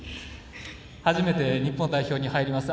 初めて日本代表に入ります